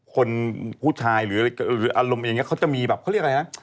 คนผู้ชายหรืออะไรอารมณ์อย่างนี้เขาจะมีแบบเขาเรียกอะไรนะ